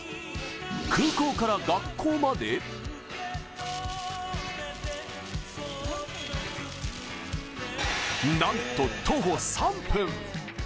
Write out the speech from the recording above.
空港から学校までなんと徒歩３分。